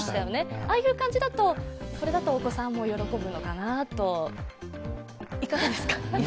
ああいう感じだと、お子さんも喜ぶのかなと、いかがですか？